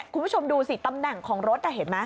คุณผู้ชมดูสิตำแหน่งของรถเห็นไหม